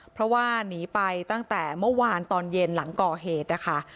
เพราะว่าหนีไปตั้งแต่เมื่อวานตอนเย็นหลังก่อเหตุนะคะ